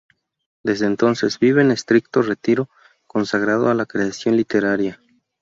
Desde entonces, vive en estricto retiro, consagrado a la creación literaria.